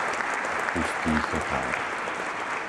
Pustý Chotár